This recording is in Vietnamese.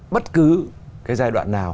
bất cứ cái giai đoạn nào